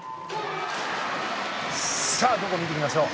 さあ、どこを見ていきましょう。